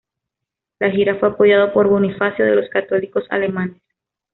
La gira fue apoyado por Bonifacio de los católicos alemanes.